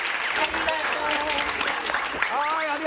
はい！